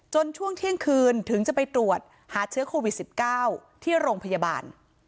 ช่วงเที่ยงคืนถึงจะไปตรวจหาเชื้อโควิด๑๙ที่โรงพยาบาล